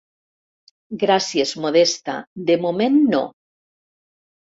Gràcies, Modesta, de moment no.